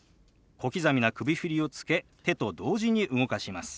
小刻みな首振りをつけ手と同時に動かします。